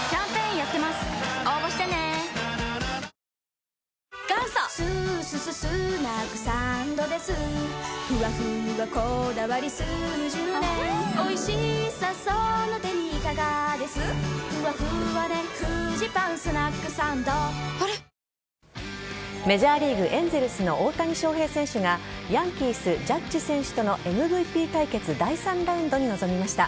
警察は木村容疑者が黒色火薬を使ってメジャーリーグエンゼルスの大谷翔平選手がヤンキース・ジャッジ選手とのＭＶＰ対決第３ラウンドに臨みました。